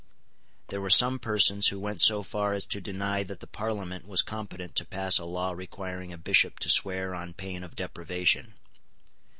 There were some persons who went so far as to deny that the Parliament was competent to pass a law requiring a Bishop to swear on pain of deprivation.